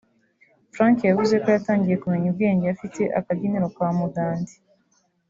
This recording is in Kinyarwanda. Frank yavuze ko yatangiye kumenya ubwenge afite akabyiniriro ka Mudandi